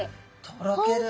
とろける。